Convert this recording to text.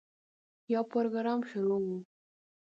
یو پروګرام شروع و.